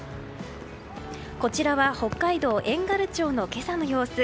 こちらは北海道遠軽町の今朝の様子。